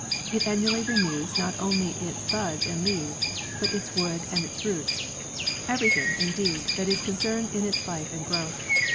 It annually renews not only its buds and leaves, but its wood and its roots; everything, indeed, that is concerned in its life and growth.